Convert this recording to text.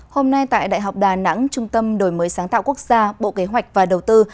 hôm nay tại đại học đà nẵng trung tâm đổi mới sáng tạo quốc gia bộ kế hoạch và đầu tư